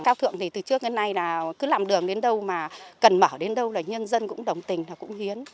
cao thượng thì từ trước đến nay là cứ làm đường đến đâu mà cần mở đến đâu là nhân dân cũng đồng tình là cũng hiến